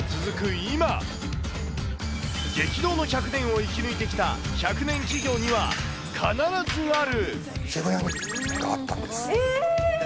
今、激動の１００年を生き抜いてきた１００年企業には必ずある。